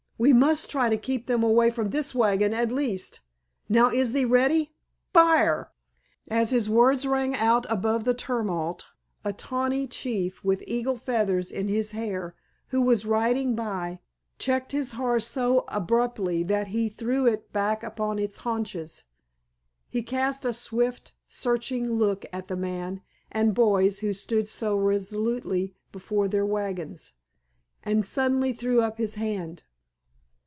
We must try to keep them away from this wagon at least! Now, is thee ready? Fire!" As his words rang out above the tumult a tawny chief with eagle feathers in his hair, who was riding by, checked his horse so abruptly that he threw it back upon its haunches. He cast a swift, searching look at the man and boys who stood so resolutely before their wagons, and suddenly threw up his hand.